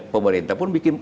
pemerintah pun bikin